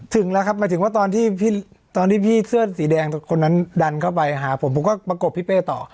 ถึงแล้วครับหมายถึงว่าตอนที่พี่เสื้อสีแดงคนนั้นดันเข้าไปหาผมผมก็ประกบพี่เป้ต่อ